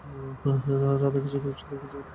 রাধাকৃষ্ণ-প্রেম শিক্ষার কিছুমাত্র আবশ্যক নাই।